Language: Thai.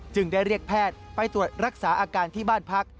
ได้เรียกแพทย์ไปตรวจรักษาอาการที่บ้านพัก